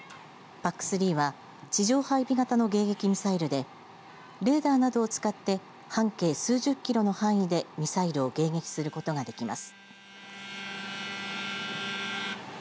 ＰＡＣ３は地上配備型の迎撃ミサイルでレーダーなどを使って半径数十キロの範囲でミサイルを迎撃することができます。